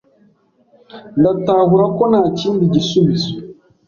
Ndatahura ko ntakindi gisubizo.